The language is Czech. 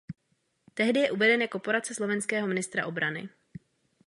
Tehdy je uveden jako poradce slovenského ministra obrany.